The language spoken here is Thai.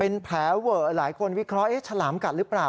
เป็นแผลเวอะหลายคนวิเคราะห์ฉลามกัดหรือเปล่า